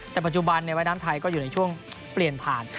แต่ปัจจุบันในว่ายน้ำไทยก็อยู่ในช่วงเปลี่ยนผ่าน